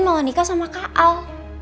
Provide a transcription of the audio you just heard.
malah nikah sama kak al